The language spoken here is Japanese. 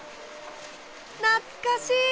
懐かしい！